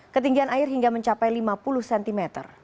ketinggian air hingga mencapai lima puluh cm